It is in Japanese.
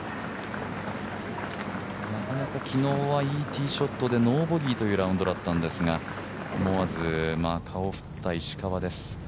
なかなか昨日はいいティーショットでノーボギーというラウンドでしたが思わず顔を振った石川です。